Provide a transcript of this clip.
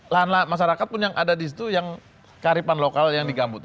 lahan lahan masyarakat pun yang ada di situ yang karipan lokal yang di gambut itu